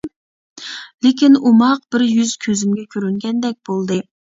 لېكىن ئوماق بىر يۈز كۆزۈمگە كۆرۈنگەندەك بولدى.